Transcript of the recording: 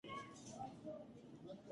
او د خوشحالۍ ور پرانیزئ.